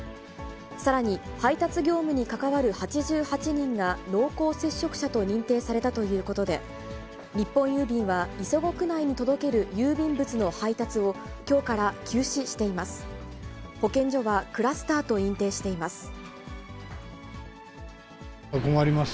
さらに配達業務に関わる８８人が濃厚接触者と認定されたということで、日本郵便は、磯子区内に届ける郵便物の配達を、きょうから休止しています。